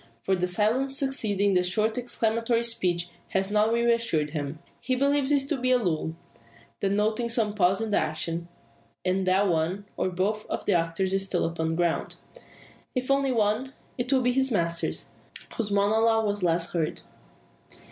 For the silence succeeding the short exclamatory speech has not re assured him. He believes it to be but a lull, denoting some pause in the action, and that one, or both, of the actors is still upon the ground. If only one, it will be his master, whose monologue was last heard.